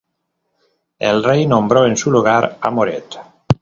El rey nombró en su lugar a Moret.